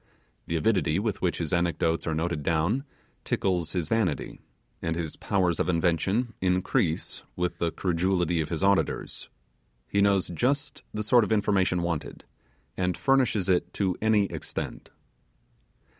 The avidity with which his anecdotes are noted down tickles his vanity, and his powers of invention increase with the credulity auditors. He knows just the sort of information wanted, and furnishes it to any extent.